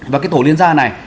và cái tổ liên doa này